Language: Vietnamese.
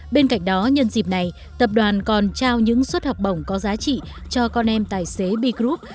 bên cạnh đó nhân dịp này tập đoàn còn trao những suất học bổng có giá trị cho con em tài xế b group